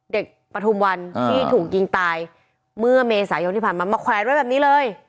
ปฐุมวันที่ถูกยิงตายเมื่อเมษายนที่ผ่านมามาแขวนไว้แบบนี้เลย